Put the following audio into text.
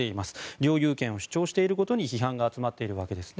領有権を主張していることに批判が集まっているわけですね。